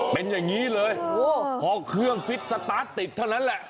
เป็นอย่างนี้เลยพอเครื่องฟิตสตาร์ทติดเท่านั้นแหละ